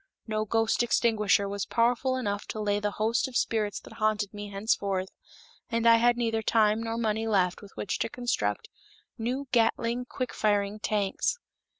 No ghost extinguisher was powerful enough to lay the host of spirits that haunted me henceforth, and I had neither time nor money left with which to construct new Gatling quick firing tanks.